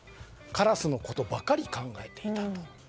カラスのことばかり考えていたと。